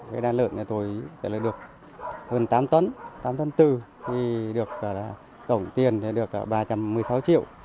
cái đàn lợn tôi sẽ được hơn tám tấn tám tấn tư tổng tiền được ba trăm một mươi sáu triệu